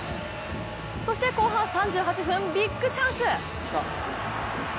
そして後半３８分、ビッグチャンス。